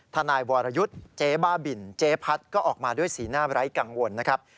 ทนายวรยุทธ์เจ๊บ้าบินเจ๊พัดก็ออกมาด้วยสีหน้าไร้กังวลนะครับ